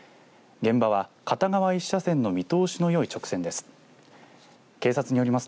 現場は片側１車線の見通しのよい直線です。